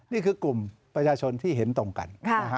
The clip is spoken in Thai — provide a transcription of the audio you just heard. นี่คือกลุ่มประชาชนที่เห็นตรงกัน